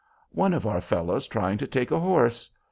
"One of our fellows trying to take a horse.